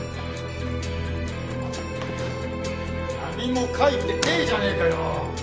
何も書いてねえじゃねえかよ！